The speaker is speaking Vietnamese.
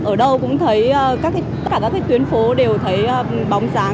ở đâu cũng thấy tất cả các tuyến phố đều thấy bóng dáng